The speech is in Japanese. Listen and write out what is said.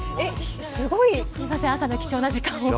すいません朝の貴重な時間を。